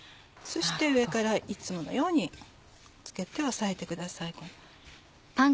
そして上からいつものようにつけて押さえてください。